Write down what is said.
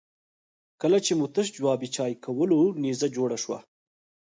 کله چې مو تش جواب چای کولو نيزه جوړه شوه.